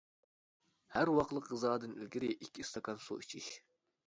ھەر ۋاقلىق غىزادىن ئىلگىرى ئىككى ئىستاكان سۇ ئىچىش.